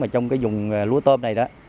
trong dùng lúa tôm này